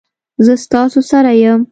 زه ستاسو سره یم